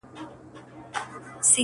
کورونا جدي وګڼئ؛!